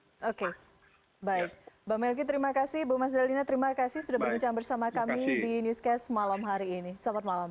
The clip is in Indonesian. mbak melky terima kasih mbak zadalina terima kasih sudah berbincang bersama kami di newscast malam hari ini selamat malam